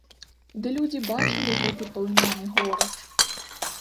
Ды людзі бачылі гэты палымянны горач.